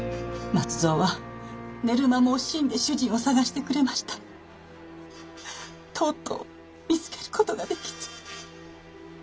松蔵は寝る間も惜しんで主人を捜してくれましたがとうとう見つける事ができず。